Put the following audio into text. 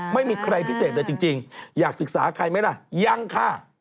ไม่มีใครพิเศษเลยจริงอยากศึกษาใครไหมล่ะยังค่ะ